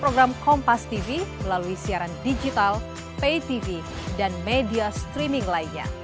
program program kompastv melalui siaran digital paytv dan media streaming lainnya